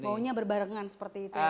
maunya berbarengan seperti itu